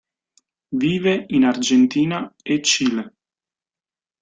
Vive in Argentina e Cile.